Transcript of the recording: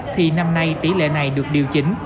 thì năm nay tỉ lệ này được điều chỉnh